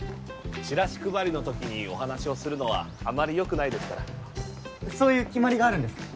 チラシ配りの時にお話をするのはあまりよくないですからそういう決まりがあるんですか？